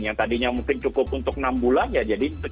yang tadinya mungkin cukup untuk enam bulan ya jadi